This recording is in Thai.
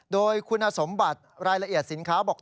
โดยคุณสมบัติรายละเอียดสินค้าบอก